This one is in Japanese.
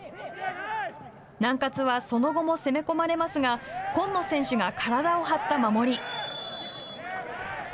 南葛はその後も攻め込まれますが今野選手が体を張った守り。